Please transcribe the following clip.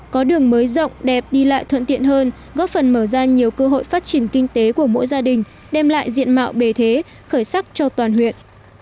có đường mới rộng đẹp đi lại thuận tiện hơn góp phần mở ra nhiều cơ hội phát triển kinh tế của mỗi gia đình đem lại diện mạo bề thế khởi sắc cho toàn huyện